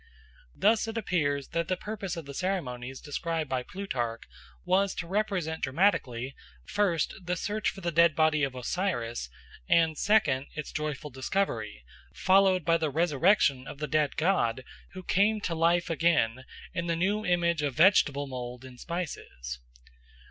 Thus it appears that the purpose of the ceremonies described by Plutarch was to represent dramatically, first, the search for the dead body of Osiris, and, second, its joyful discovery, followed by the resurrection of the dead god who came to life again in the new image of vegetable mould and spices.